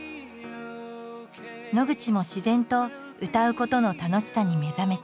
野口も自然と歌うことの楽しさに目覚めた。